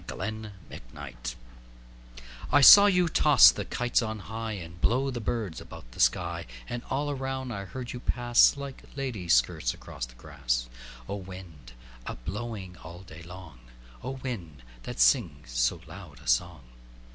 The Wind I SAW you toss the kites on highAnd blow the birds about the sky; And all around I heard you pass, Like ladies' skirts across the grass—O wind, a blowing all day long,O wind, that sings so loud a song!